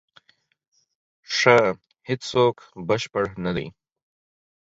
ښه، هیڅوک بشپړ نه دی.